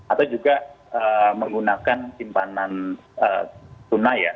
atau juga menggunakan simpanan tunai ya